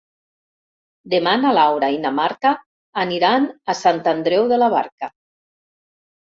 Demà na Laura i na Marta aniran a Sant Andreu de la Barca.